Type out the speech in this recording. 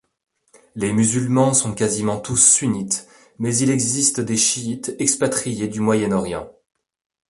Les musulmans sont quasiment tous sunnites, mais il existe des chiites expatriés du Moyen-Orient.